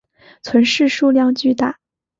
存世数量巨大。